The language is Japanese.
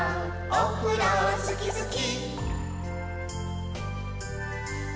「おふろすきすき」